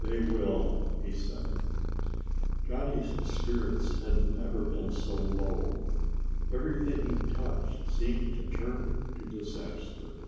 "They will," he said. Johnny's spirits had never been so low. Everything he touched seemed to turn to disaster.